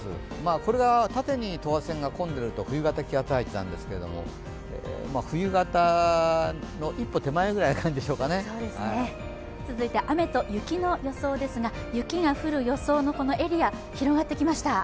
これが縦に等圧線が混んでると冬型気圧配置なんですが、冬型の一歩手前ぐらいの感じでしょうか続いて雨と雪の予想ですが雪が降る予想のエリア広がってきました。